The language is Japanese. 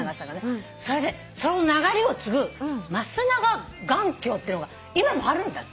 それでその流れを継ぐ増永眼鏡っていうのが今もあるんだって。